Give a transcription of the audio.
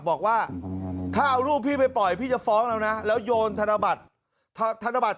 บอกว่าถ้าเอารูปพี่ไปปล่อยพี่จะฟ้องแล้วนะแล้วโยนธนบัตรธนบัตร